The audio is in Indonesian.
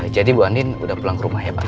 jadi bu andin udah pulang ke rumah ya pak